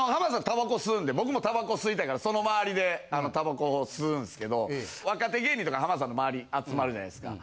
たばこ吸うんで僕もたばこ吸いたいからその周りでたばこを吸うんすけど若手芸人とか浜田さんの周り集まるじゃないですか。